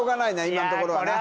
今のところはね